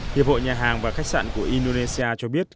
hiệp hội nhà hàng và khách sạn của indonesia cho biết